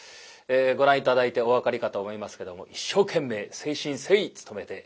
ご覧頂いてお分かりかと思いますけども一生懸命誠心誠意努めてまいりました。